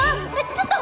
ちょっと！